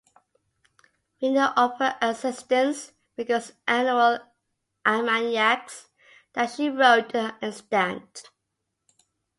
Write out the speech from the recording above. We know of her existence because annual almanacs that she wrote are extant.